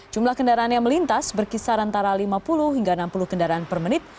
jumlah kendaraan yang melintas berkisar antara lima puluh hingga enam puluh kendaraan per menit